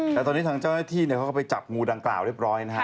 แต่ตอนนี้ทางเจ้าหน้าที่เขาก็ไปจับงูดังกล่าวเรียบร้อยนะฮะ